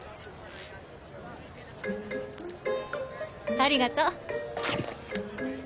ありがとう。